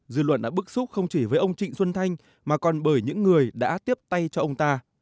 dư luận đã bức xúc không chỉ với ông trịnh xuân thanh mà còn bởi những người đã tiếp tay cho ông ta